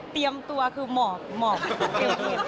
เตรียมตัวคือเหมาะเกลียด